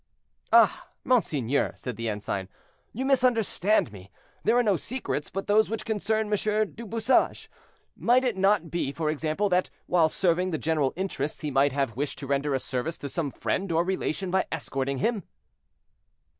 "Ah! monseigneur," said the ensign, "you misunderstand me; there are no secrets but those which concern M. du Bouchage. Might it not be, for example, that, while serving the general interests, he might have wished to render a service to some friend or relation by escorting him?"